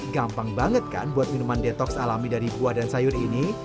gampang banget kan buat minuman detox alami dari buah dan sayur ini